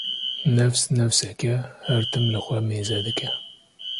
Nefs nefsek e her tim li xwe mêze dike